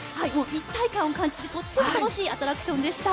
一体感を感じてとっても楽しいアトラクションでした。